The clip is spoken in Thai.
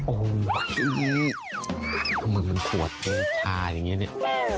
โอ้โฮมันขวดเป็นขาอย่างนี้